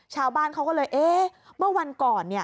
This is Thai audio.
ชาวบ้านเขาก็เลยเอ๊ะเมื่อวันก่อน